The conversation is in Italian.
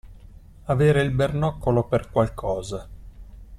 Avere il bernoccolo per qualcosa.